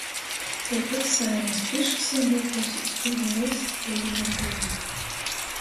Taipat Saeimys prīšksādātuojs izpylda Vaļsts Prezidenta vītu,